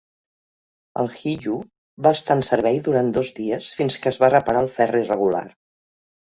El "Hiyu" va estar en servei durant dos dies fins que es va reparar el ferri regular.